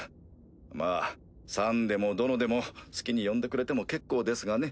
まぁ「さん」でも「殿」でも好きに呼んでくれても結構ですがね。